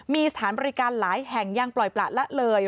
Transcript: มีสถานบริการหลายแห่งยังปล่อยประละเลย